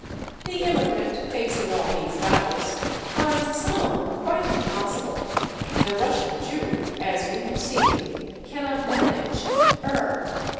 The immigrant, facing all these vowels, finds some of them quite impossible; the Russian Jew, as we have seen, cannot manage /ur